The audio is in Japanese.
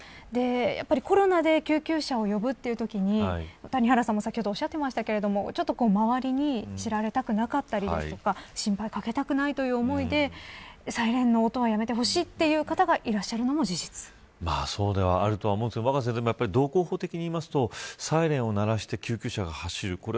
やっぱりコロナで救急車を呼ぶというときに谷原さんも先ほどおっしゃっていましたが周りに知られたくなかったり心配をかけたくないという思いでサイレンの音はやめてほしいという方がいらっしゃるのもそうではあると思いますが道交法的にいいますとサイレンを鳴らして救急車が走る。